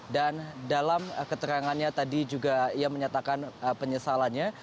dan dalam keterangannya tadi juga ia menyatakan penyesalannya